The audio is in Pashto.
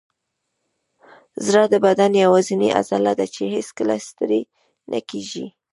زړه د بدن یوازینی عضله ده چې هیڅکله ستړې نه کېږي.